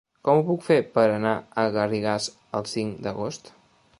Com ho puc fer per anar a Garrigàs el cinc d'agost?